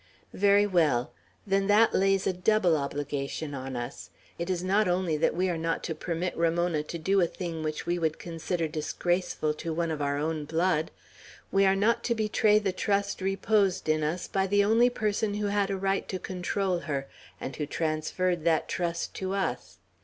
"Very well. Then that lays a double obligation on us. It is not only that we are not to permit Ramona to do a thing which we would consider disgraceful to one of our own blood; we are not to betray the trust reposed in us by the only person who had a right to control her, and who transferred that trust to us.